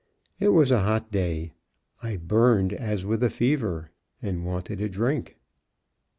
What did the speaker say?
It was a hot day; I burned as with a fever, and wanted a drink.